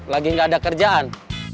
lagi enggak ada kerjaan